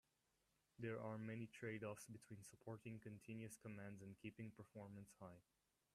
There are many trade-offs between supporting continuous commands and keeping performance high.